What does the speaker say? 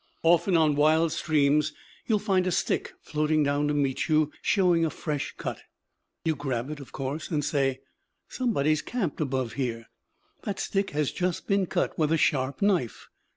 Often on wild streams you find a stick floating down to meet you showing a fresh cut. You grab it, of course, and say: "Somebody is camped above here. That stick has just been cut with a sharp knife."